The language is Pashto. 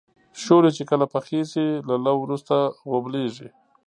شولې چې کله پخې شي له لو وروسته غوبلیږي.